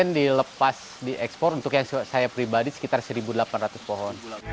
yang dilepas diekspor untuk yang saya pribadi sekitar satu delapan ratus pohon